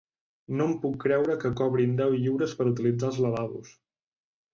No em puc creure que cobrin deu lliures per utilitzar els lavabos!